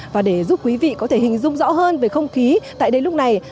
và để giúp quý vị có thể hình dung rõ hơn về không khí tại đây lúc này